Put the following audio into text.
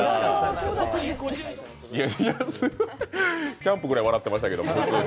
キャンプぐらい笑ってましたけど普通に。